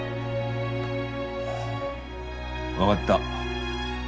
分がった。